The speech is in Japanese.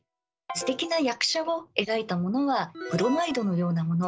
すてきな役者を描いたものはブロマイドのようなもの。